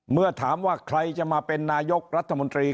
เมื่อถามว่าใครจะมาเป็นนายกรัฐมนตรี